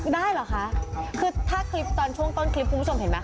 ได้เหรอคะคือถ้าคลิปตอนช่วงต้นคลิปคุณผู้ชมเห็นไหมค